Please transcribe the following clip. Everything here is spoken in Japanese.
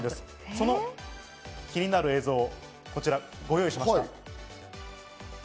その気になる映像、こちらご用意しました。